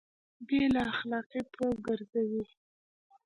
بې له اخلاقي توب ګرځوي